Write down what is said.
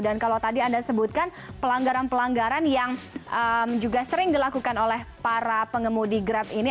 dan kalau tadi anda sebutkan pelanggaran pelanggaran yang juga sering dilakukan oleh para pengemudi grab ini